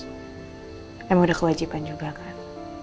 emang udah kewajiban juga kan